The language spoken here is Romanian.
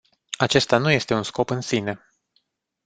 Acesta nu este un scop în sine.